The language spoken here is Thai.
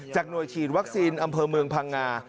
หน่วยฉีดวัคซีนอำเภอเมืองพังงา